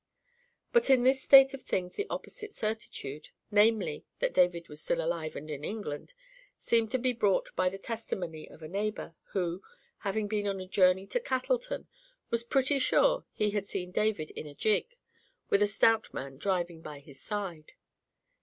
But in this state of things the opposite certitude—namely, that David was still alive and in England—seemed to be brought by the testimony of a neighbour, who, having been on a journey to Cattelton, was pretty sure he had seen David in a gig, with a stout man driving by his side.